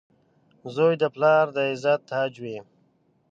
• زوی د پلار د عزت تاج وي.